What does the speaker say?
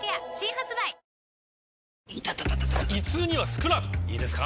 イタタ．．．胃痛にはスクラートいいですか？